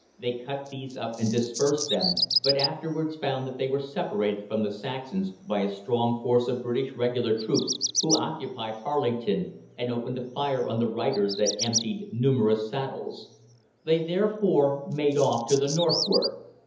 "They cut these up and dispersed them, but afterwards found that they were separated from the Saxons by a strong force of British regular troops who occupied Harlington and opened a fire on the Reiters that emptied numerous saddles. They, therefore, made off to the northward.